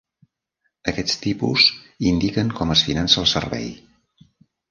Aquests tipus indiquen com es finança el servei.